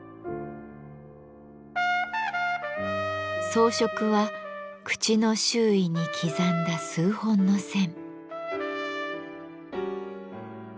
装飾は口の周囲に刻んだ数本の線。